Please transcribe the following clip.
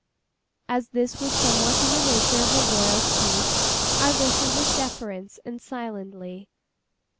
As this was somewhat in the nature of a royal speech, I listened with deference and silently.